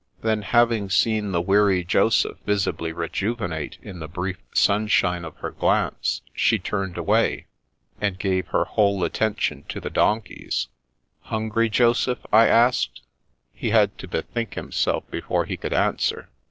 Then, having seen the weary Joseph visibly rejuvenate in the brief sun shine of her glance, she turned away, and gave her whole attention to the donkeys. " Hungry, Joseph ?'* I asked. He had to bethink himself before he could an swer.